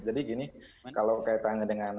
jadi gini kalau kaitannya dengan